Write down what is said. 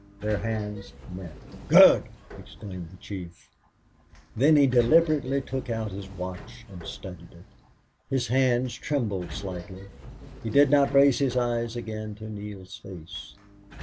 Their hands met. "Good!" exclaimed the chief. Then he deliberately took out his watch and studied it. His hand trembled slightly. He did not raise his eyes again to Neale's face.